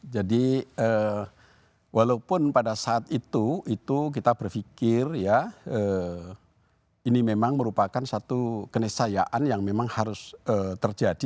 jadi walaupun pada saat itu kita berpikir ini memang merupakan satu kenisayaan yang memang harus terjadi